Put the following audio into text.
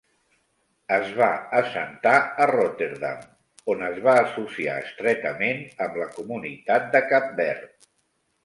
Es va assentar a Rotterdam, on es va associar estretament amb la comunitat de Cap Verd.